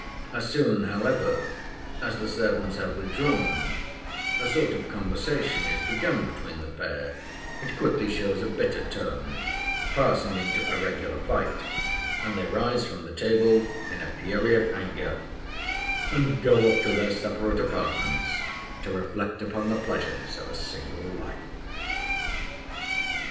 As soon, however, as the servants have withdrawn, a sort of conversation is begun between the pair, which quickly shows a bitter tone, passing into a regular fight, and they rise from the table in a fury of anger, and go off to their separate apartments to reflect upon the pleasures of a single life.